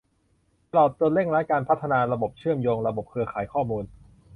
ตลอดจนเร่งรัดการพัฒนาระบบเชื่อมโยงระบบเครือข่ายข้อมูล